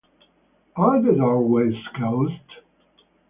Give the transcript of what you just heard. Are the doorways closed?